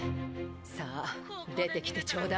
さあ出てきてちょうだい。